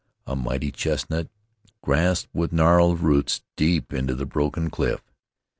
A mighty chestnut grasped with gnarled roots deep into the broken cliff.